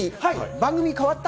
番組、変わった？